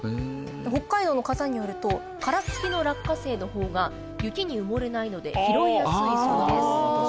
北海道の方によると殻付きの落花生の方が雪に埋もれないので拾いやすいそうです。